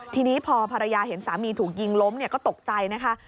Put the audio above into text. ทีนี้พอภรรยาเห็นสามีถูกยิงล้มก็ตกใจนะคะ